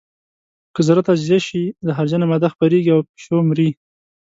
که ذره تجزیه شي زهرجنه ماده خپرېږي او پیشو مري.